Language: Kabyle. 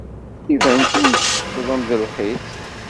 Iban kan teccḍem deg lqis.